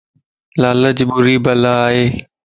لالچ ڀري بلا ائي